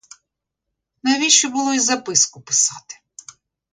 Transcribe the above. Навіщо було й записку писати?